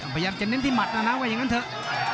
พยายามจะเน้นที่หมัดนะนะว่าอย่างนั้นเถอะ